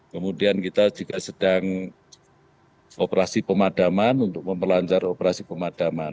kemudian kita juga sedang operasi pemadaman untuk memperlancar operasi pemadaman